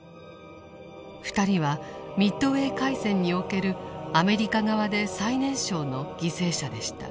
２人はミッドウェー海戦におけるアメリカ側で最年少の犠牲者でした。